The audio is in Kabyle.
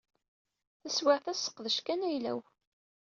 Taswiɛt-a sseqdec kan ayla-w.